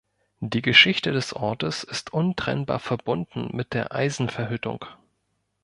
Die Geschichte des Ortes ist untrennbar verbunden mit der Eisenverhüttung.